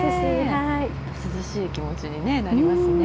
涼しい気持ちになりますね。